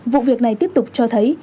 vụ việc này tiếp tục cho thấy